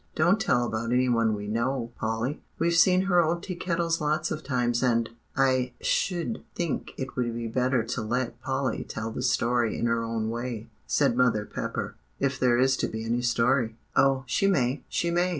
"Don't tell about any one we know, Polly; we've seen her old tea kettle lots of times, and" "And I sh'd think it would be better to let Polly tell the story in her own way," said Mother Pepper, "if there is to be any story." "Oh, she may she may!"